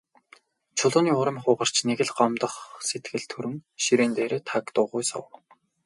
Чулууны урам хугарч, нэг л гомдох сэтгэл төрөн ширээн дээрээ таг дуугүй суув.